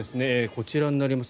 こちらになります。